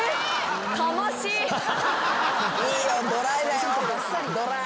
いいよドライだよドライ。